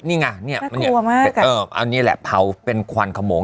นี่ไงเนี้ยน่ะกลัวมากเอออันนี้แหละเผาเป็นควันเขาโมง